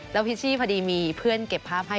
แล้วพิชชี่พอดีมีเพื่อนเก็บภาพให้